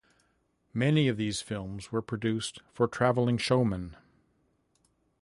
Many of these films were produced for travelling showmen.